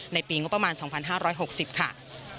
ในปีงบประมาณ๒๕๖๐ค่ะ